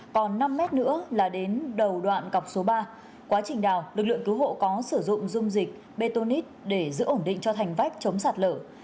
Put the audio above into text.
còn năm m nữa là đến đầu đoạn cọc số ba quá trình đào lực lượng cứu hộ có sử dụng dung dịch bê tôn ít để giữ ổn định cho thành vách chống sạt lở